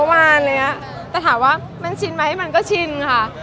แต่ถามว่ามันชินไหมมันก็ชินค่ะ